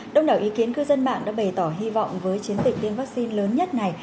đông đảo ý kiến cư dân mạng đã bày tỏ hy vọng với chiến dịch tiêm vaccine lớn nhất này